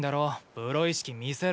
プロ意識見せろ。